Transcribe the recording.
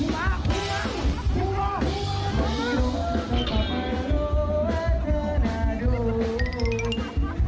สบัดข้าวเด็ก